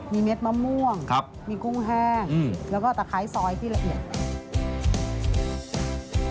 มีเม็ดมะม่วงมีกุ้งแห้งแล้วก็ตะไคร้ซอยที่ละเอียด